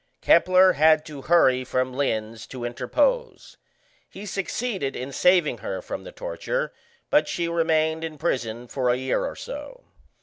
Kepler had to hurry from Linz to interpose. He succeeded in saving her from the torture, but she remained in prison for a year or so.